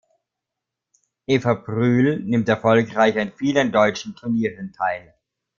Eva Brühl nimmt erfolgreich an vielen deutschen Turnieren teil.